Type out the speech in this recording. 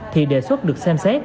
thì đề xuất được xem xét